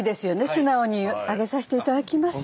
素直に上げさせていただきます。